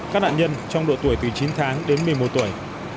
các nạn nhân trong độ tuổi từ chín tháng đến một mươi một tuổi